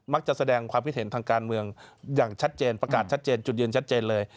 จะแสดงความคิดเห็นทางการเมืองอย่างชัดเจนประกาศชัดเจนจุดยืนชัดเจนเลย